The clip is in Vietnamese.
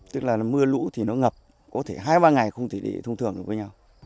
tức là mưa lũ thì nó ngập có thể hai ba ngày không thể đi thông thường được với nhau